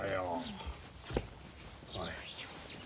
よいしょ。